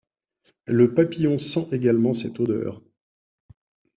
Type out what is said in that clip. Le papillon sent également cette odeur.